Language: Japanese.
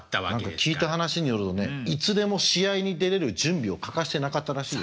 何か聞いた話によるとねいつでも試合に出れる準備を欠かしてなかったらしいですよ。